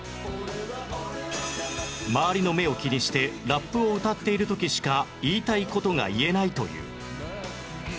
周りの目を気にしてラップを歌っている時しか言いたい事が言えないという